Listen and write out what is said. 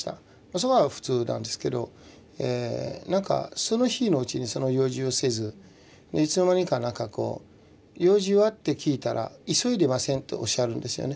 それは普通なんですけどなんかその日のうちにその用事をせずいつの間にかなんかこう「用事は？」って聞いたら「急いでません」とおっしゃるんですよね。